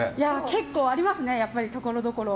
結構ありますね、ところどころ。